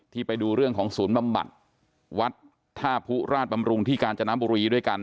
ไปดูเรื่องของศูนย์บำบัดวัดท่าผู้ราชบำรุงที่กาญจนบุรีด้วยกัน